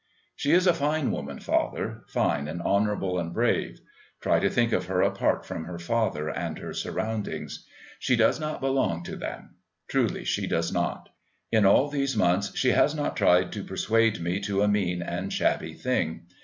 She is a fine woman, father, fine and honourable and brave. Try to think of her apart from her father and her surroundings. She does not belong to them, truly she does not. In all these months she has not tried to persuade me to a mean and shabby thing.